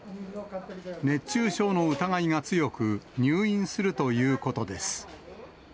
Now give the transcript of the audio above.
熱中症の疑いが強く、入院するということです。